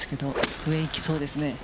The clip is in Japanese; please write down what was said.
上へ行きそうですね。